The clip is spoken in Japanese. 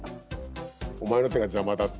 お前の手が邪魔だって。